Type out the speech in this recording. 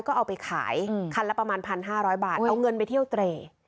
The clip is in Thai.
ก็เอาไปขายคันละประมาณ๑๕๐๐บาทเอาเงินไปเที่ยวเตร